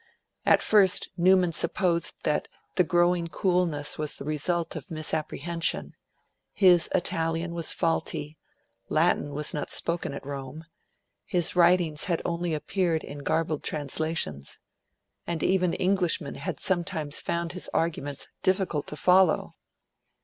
At first Newman supposed that the growing coolness was the result of misapprehension; his Italian was faulty, Latin was not spoken at Rome, his writings had only appeared in garbled translations. And even Englishmen had sometimes found his arguments difficult to follow.